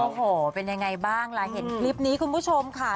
โอ้โหเป็นยังไงบ้างล่ะเห็นคลิปนี้คุณผู้ชมค่ะ